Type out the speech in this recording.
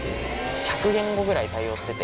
１００言語ぐらい対応してて。